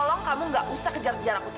tolong kamu nggak usah kejar kejar aku do